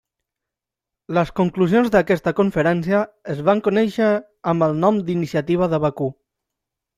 Les conclusions d'aquesta conferència es van conèixer amb el nom d'Iniciativa de Bakú.